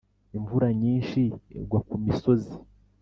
Imvura nyinshi igwa ku misozi.